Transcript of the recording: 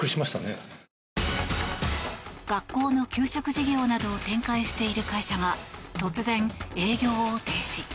学校の給食事業などを展開している会社が突然、営業を停止。